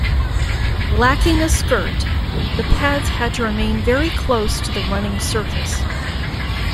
Lacking a skirt, the pads had to remain very close to the running surface.